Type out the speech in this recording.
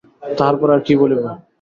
তাহার পরে আর কী বলিব।